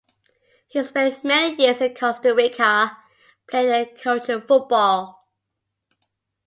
He spent many years in Costa Rica, playing and coaching football.